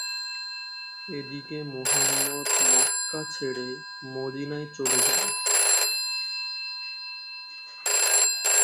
এদিকে Muhammad Mecca ছেড়ে মদীনায় চলে যান।